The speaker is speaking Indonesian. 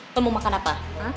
lo mau makan apa